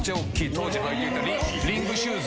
当時履いてたリングシューズ。